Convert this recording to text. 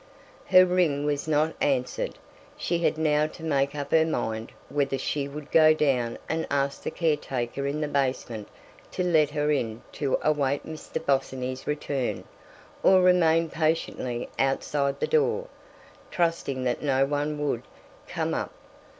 Her ring was not answered; she had now to make up her mind whether she would go down and ask the caretaker in the basement to let her in to await Mr. Bosinney's return, or remain patiently outside the door, trusting that no one would come up.